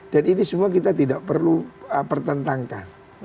ini semua kita tidak perlu pertentangkan